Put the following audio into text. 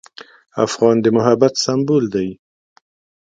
افغان د محبت سمبول دی.